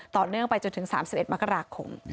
ต่อเนื่องไปจนถึง๓๑มกราคม